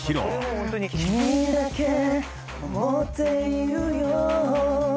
「君だけ．．．想っているよ」